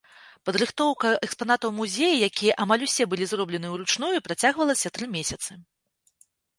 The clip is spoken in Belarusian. Падрыхтоўка экспанатаў музея, якія амаль усе былі зроблены ўручную, працягвалася тры месяцы.